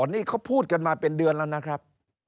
นี่เขาพูดกันมาเป็นเดือนแล้วนะครับ